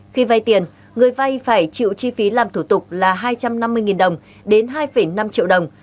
khi vay tiền người vay phải chịu chi phí làm thủ tục là hai trăm năm mươi đồng đến hai năm triệu đồng